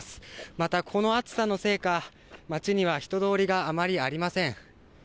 またこの暑さのせいか街には人通りがあまりありません。